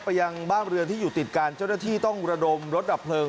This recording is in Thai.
ยังบ้านเรือนที่อยู่ติดกันเจ้าหน้าที่ต้องระดมรถดับเพลิง